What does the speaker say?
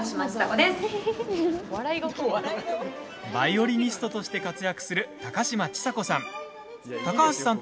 バイオリニストとして活躍する高嶋ちさ子さん。